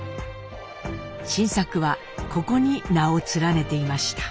新作はここに名を連ねていました。